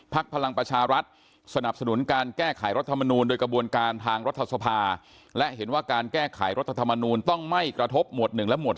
พลังประชารัฐสนับสนุนการแก้ไขรัฐมนูลโดยกระบวนการทางรัฐสภาและเห็นว่าการแก้ไขรัฐธรรมนูลต้องไม่กระทบหมวดหนึ่งและหวด